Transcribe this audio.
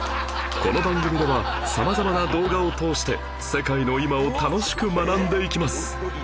この番組ではさまざまな動画を通して世界の今を楽しく学んでいきます